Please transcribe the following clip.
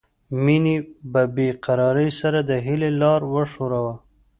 مينې په بې قرارۍ سره د هيلې لاس وښوراوه